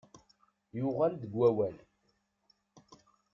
Yuɣal deg wawal.